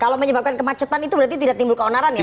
kalau menyebabkan kemacetan itu berarti tidak timbul keonaran ya